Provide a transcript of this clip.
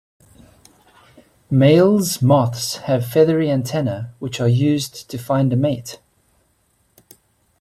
Males moths have feathery antennae, which are used to find a mate.